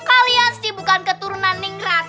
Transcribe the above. kalian sih bukan keturunan nenggerak